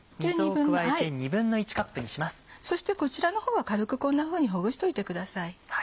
そしてこちらのほうは軽くこんなふうにほぐしといてください。